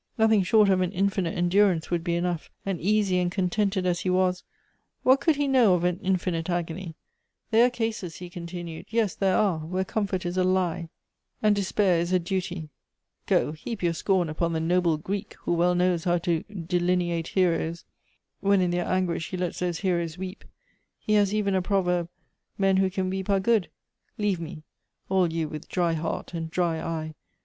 Nothing short of an infinite endurance would be enough, and easy and contented as he was, what could he know of an infinite agony ? There are cases," he continued, " yes, there are, where comfort is a lie, and despair is a 148 Goethe's duty. Go, heap your scorn upon the noble Greek, who well knows how to delineate heroes, when in their an guish he lets those heroes weep. He has even a proverb, ' Men who can weep are good.' Leave me, all you with dry heart and dry eye.